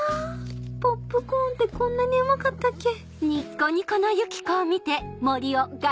ポップコーンってこんなにうまかったっけ？ん。